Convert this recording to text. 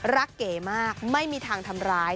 เก๋มากไม่มีทางทำร้าย